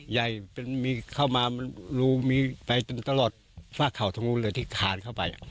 ใหญ่มีเข้ามามันลูมีไปจนตลอดฟากเขาทั้งหมู่เลยที่ขาดเข้าไป